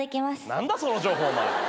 何だその情報お前。